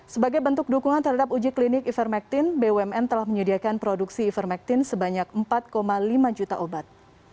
sebagai bentuk dukungan terhadap uji klinik ivermectin bumn telah menyediakan produksi ivermectin sebanyak empat lima juta obat